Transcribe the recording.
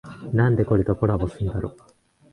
なんでこれとコラボすんだろ